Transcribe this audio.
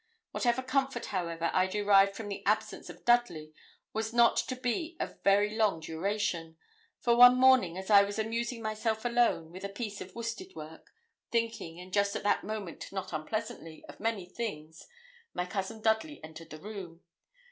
Whatever comfort, however, I derived from the absence of Dudley was not to be of very long duration; for one morning, as I was amusing myself alone, with a piece of worsted work, thinking, and just at that moment not unpleasantly, of many things, my cousin Dudley entered the room.